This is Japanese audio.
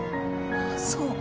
そう。